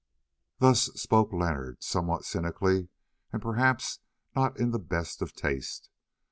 Thus spoke Leonard, somewhat cynically and perhaps not in the best of taste.